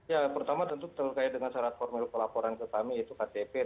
ya pertama tentu terkait dengan syarat formulir pelaporan ke kami yaitu ktp dan kronologis ya